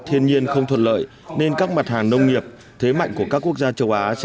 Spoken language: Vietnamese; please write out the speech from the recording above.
thiên nhiên không thuận lợi nên các mặt hàng nông nghiệp thế mạnh của các quốc gia châu á sẽ